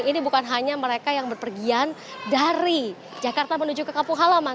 ini bukan hanya mereka yang berpergian dari jakarta menuju ke kampung halaman